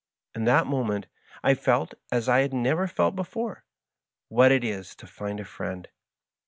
In that moment I felt, as I had never felt before, what it is to find a friend.